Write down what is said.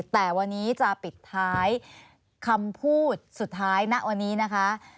แต่วันนี้จะปิดท้ายคำพูดสุดท้ายณวันนี้นะคะ